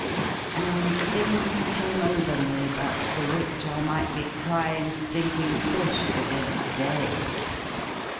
And things came over me but for which I might be crying stink ing fish to this day.